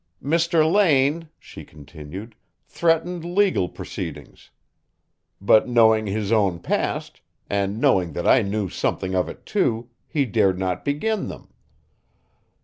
"Mr. Lane," she continued, "threatened legal proceedings. But, knowing his own past, and knowing that I knew something of it, too, he dared not begin them.